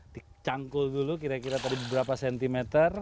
dicangkul dulu kira kira tadi beberapa cm